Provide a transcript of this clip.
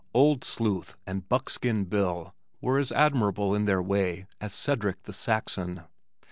"Old Sleuth" and "Buckskin Bill" were as admirable in their way as "Cedric the Saxon."